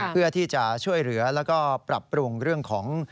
เพื่อที่จะช่วยเหลือแล้วก็ปรับปรุงเรื่องของ